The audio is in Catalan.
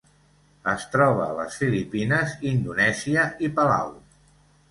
Es troba a les Filipines, Indonèsia i Palau.